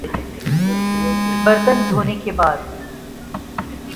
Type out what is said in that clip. برتن دھونے کے بعد